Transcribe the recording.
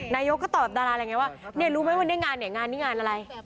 นายกก็ตอบดาราอะไรอย่างนี้ว่าเนี่ยรู้ไหมวันนี้งานเนี่ยงานนี้งานอะไร